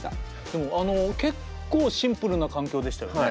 でもあの結構シンプルな環境でしたよね。